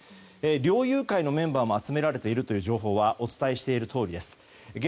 猟友会のメンバーも集められているという情報はお伝えしているとおりです。